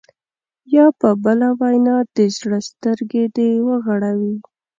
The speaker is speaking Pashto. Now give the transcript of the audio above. یا په بله وینا د زړه سترګې دې وغړوي.